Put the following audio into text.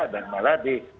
dan malah di